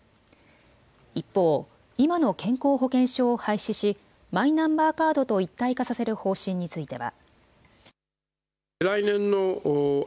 一方、今の健康保険証を廃止しマイナンバーカードと一体化させる方針については。